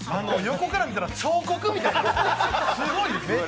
横から見たら彫刻みたい、すごい！